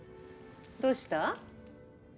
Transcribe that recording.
どうした？